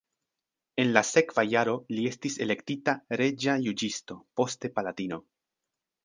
En la sekva jaro li estis elektita reĝa juĝisto, poste palatino.